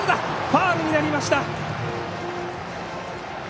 ファウルになりました。